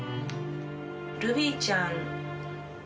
ルビーちゃん。